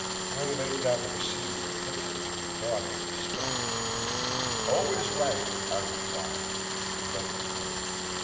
Flynn laid down the receiver and looked at me with dawning respect. "Oh! is right," I replied, and left the room.